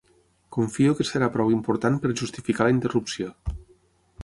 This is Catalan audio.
Confio que serà prou important per justificar la interrupció.